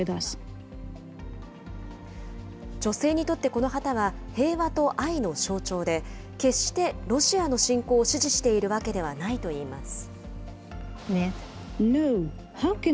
女性にとって、この旗は平和と愛の象徴で、決してロシアの侵攻を支持しているわけではないといいます。